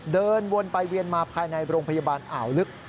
เดินวนไปเวียนมาภายในโรงพยาบาลอ่าวลึก